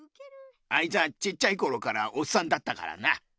あいつはちっちゃいころからおっさんだったからな。